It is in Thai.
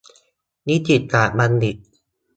นิติศาสตร์บัณฑิต